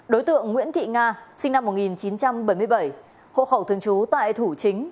đối tượng nguyễn thị nga sinh năm một nghìn chín trăm bảy mươi bảy hộ khẩu thường trú tại thủ chính